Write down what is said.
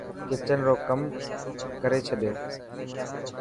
ڪچن رو ڪم ڪري ڇڏيو.